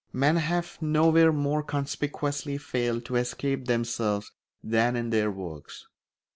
Men have nowhere more conspicuously failed to escape themselves than in their works.